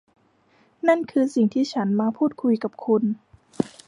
นั่นคือสิ่งที่ฉันมาพูดคุยกับคุณ